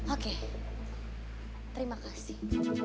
oke terima kasih